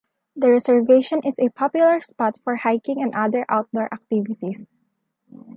The reservation is a popular spot for hiking and other outdoor activities.